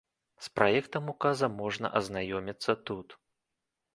З праектам указа можна азнаёміцца тут.